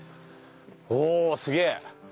おおすげえ。